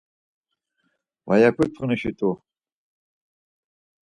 Va yaputxinu, şu t̆u.